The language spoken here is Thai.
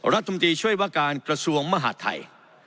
รัฐมนตรีช่วยว่าการกระทรวงมหาดไทย